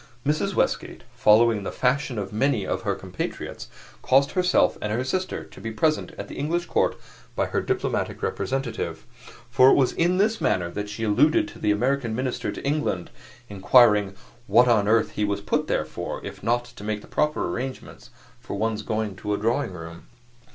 Mrs. Westgate, following the fashion of many of her compatriots, caused herself and her sister to be presented at the English court by her diplomatic representative for it was in this manner that she alluded to the American minister to England, inquiring what on earth he was put there for, if not to make the proper arrangements for one's going to a Drawing Room.